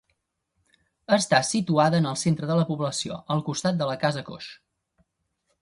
Està situada en el centre de la població, al costat de Casa Coix.